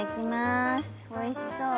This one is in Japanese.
おいしそう。